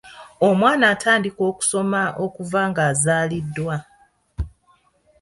Omwana atandika okusoma okuva ng’azaaliddwa.